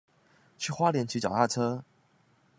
去花蓮騎腳踏車